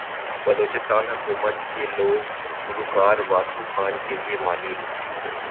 بلوچستان حکومت کی لوک گلوکار واسو خان کیلئے مالی امداد